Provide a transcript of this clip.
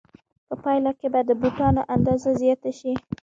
په پایله کې به د بوټانو اندازه زیاته شي